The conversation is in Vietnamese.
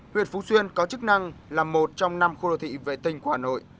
huyện phú xuyên có chức năng là một trong năm khu đô thị vệ tinh của hà nội